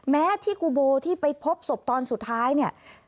แม้ที่กูโบที่ไปพบศพตอนสุดท้ายเนี่ย